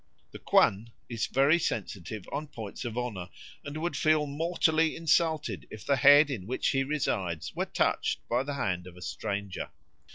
The kwun is very sensitive on points of honour, and would feel mortally insulted if the head in which he resides were touched by the hand of a stranger.